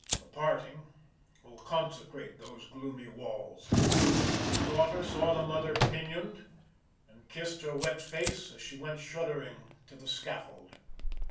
The parting will consecrate those gloomy walls. The daughter saw the mother pinioned and kissed her wet face as she went shuddering to the scaffold.